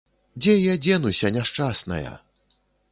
Дзе я дзенуся, няшчасная?